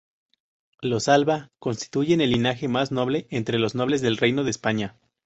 Los Alba constituyen el linaje más noble entre los nobles del Reino de España.